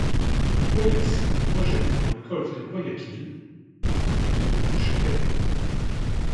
Le Guayas rejette dans le golfe de Guayaquil d'eau chaque année.